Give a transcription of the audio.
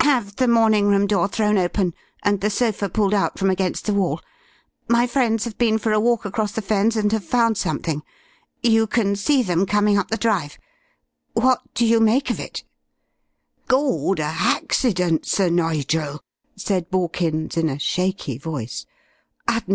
"Have the morning room door thrown open and the sofa pulled out from against the wall. My friends have been for a walk across the Fens, and have found something. You can see them coming up the drive. What d'you make of it?" "Gawd! a haccident, Sir Nigel," said Borkins, in a shaky voice.